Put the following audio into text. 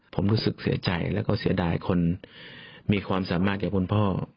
ผมรู้สึกเสียใจซึ่งเสียดายความสามารถใช้คุณพ่อ